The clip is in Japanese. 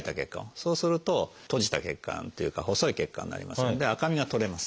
そうすると閉じた血管っていうか細い血管になりますので赤みが取れます。